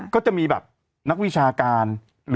ก็จะมีแบบนักวิชาการ